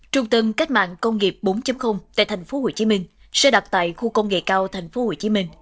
trung tâm cách mạng công nghiệp bốn tại tp hcm sẽ đặt tại khu công nghệ cao tp hcm